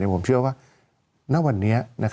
ผมเชื่อว่าณวันนี้